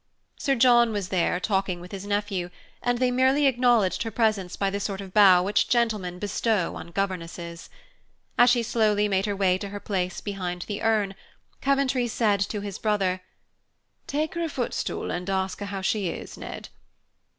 Sir John was there, talking with his nephew, and they merely acknowledged her presence by the sort of bow which gentlemen bestow on governesses. As she slowly made her way to her place behind the urn, Coventry said to his brother, "Take her a footstool, and ask her how she is, Ned."